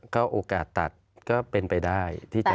ก็โอกาสตัดก็เป็นไปได้